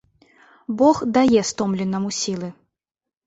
Бог дае стомленаму сілы.